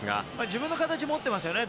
自分の形を持っていますよね。